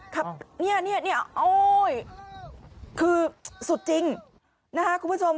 ขับนี่คือสุดจริงนะครับคุณผู้ชม